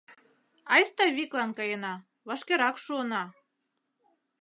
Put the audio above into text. — Айста виклан каена, вашкерак шуына.